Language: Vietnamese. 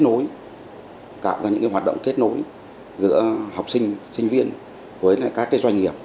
nối tạo ra những hoạt động kết nối giữa học sinh sinh viên với các doanh nghiệp